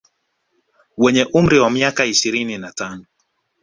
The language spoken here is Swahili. Wenye umri wa miaka ishirini na tano